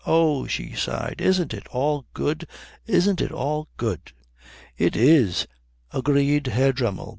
"Oh," she sighed, "isn't it all good isn't it all good " "It is," agreed Herr Dremmel.